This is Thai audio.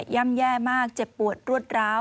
่ำแย่มากเจ็บปวดรวดร้าว